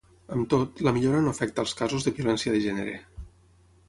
Amb tot, la millora no afecta els casos de violència de gènere.